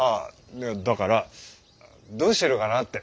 いやだからどうしてるかなって。